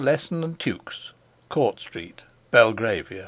Lesson and Tukes, Court Street, Belgravia.